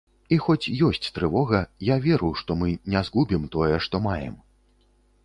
І хоць ёсць трывога, я веру, што мы не згубім тое, што маем.